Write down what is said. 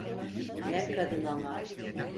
Ne kadın ama!